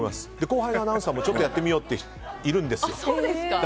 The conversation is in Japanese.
後輩のアナウンサーもちょっとやってみようという人いるんですよ。